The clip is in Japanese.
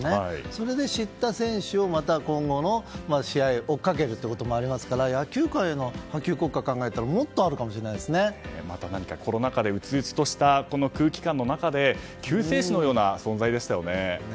それで知った選手をまた今後の試合を追っかけるということもありますから野球界の波及効果を考えたら何か、コロナ禍で鬱々としたこの空気感の中で救世主のような存在でしたよね。